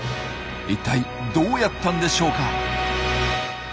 一体どうやったんでしょうか？